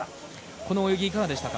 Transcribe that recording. この泳ぎはいかがでしたか？